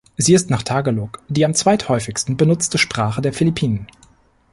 Sie ist nach Tagalog die am zweithäufigsten benutzte Sprache der Philippinen.